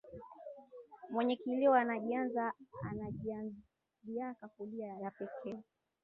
Mwenye kilio anajianziaka kulia yepeke